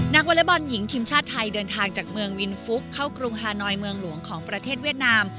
วอเล็กบอลหญิงทีมชาติไทยเดินทางจากเมืองวินฟุกเข้ากรุงฮานอยเมืองหลวงของประเทศเวียดนาม